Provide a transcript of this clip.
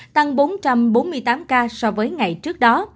tăng bốn trăm bốn mươi tám ca so với ngày trước đó